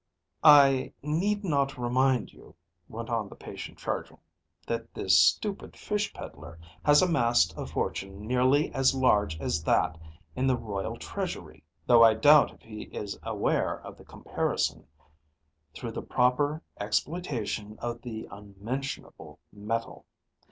"I need not remind you," went on the patient Chargill, "that this stupid fish peddler has amassed a fortune nearly as large as that in the royal treasury though I doubt if he is aware of the comparison through the proper exploitation of the unmentionable metal.